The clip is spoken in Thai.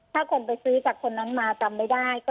ถ้าคนไปซื้อจากคนนั้นมาจำไม่ได้